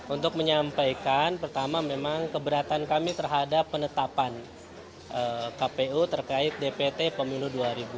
untuk menyampaikan pertama memang keberatan kami terhadap penetapan kpu terkait dpt pemilu dua ribu dua puluh